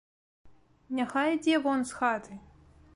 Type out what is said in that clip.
Няхай ідзе вон з хаты!